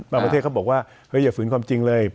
ประเทศเขาบอกว่าอย่าฝืนความจริงเลย